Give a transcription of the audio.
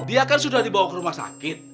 dia kan sudah dibawa ke rumah sakit